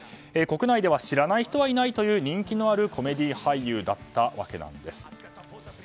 国内では知らない人はいないという人気のあるコメディー俳優だったわけなんです。